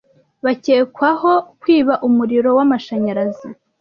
bakekwaho kwiba umuriro w’amashanyarazi